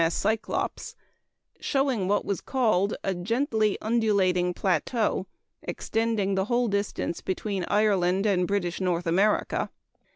M.S. Cyclops), showing what was called "a gently undulating plateau extending the whole distance between Ireland and British North America."